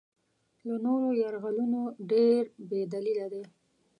له نورو یرغلونو ډېر بې دلیله دی.